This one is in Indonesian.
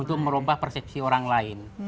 untuk merubah persepsi orang lain